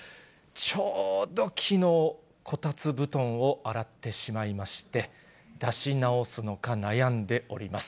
ちょうどきのう、こたつ布団を洗ってしまいまして、出し直すのか悩んでおります。